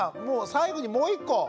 最後にもう１個。